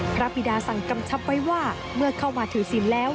บิดาสั่งกำชับไว้ว่าเมื่อเข้ามาถือศิลป์แล้ว